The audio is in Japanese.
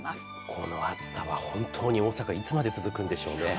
この暑さは本当に大阪いつまで続くんでしょうね。